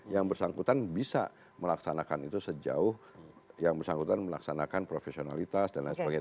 yang bersangkutan bisa melaksanakan itu sejauh yang bersangkutan melaksanakan profesionalitas dan lain sebagainya